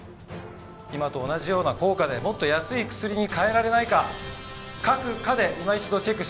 今と同じような効果でもっと安い薬に変えられないか各科でいま一度チェックしてください。